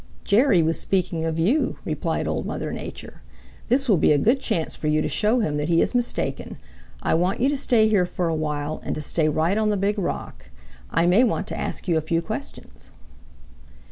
"Jerry was speaking of you," replied Old Mother Nature. "This will be a good chance for you to show him that he is mistaken. I want you to stay here for a while and to stay right on the Big Rock. I may want to ask you a few questions."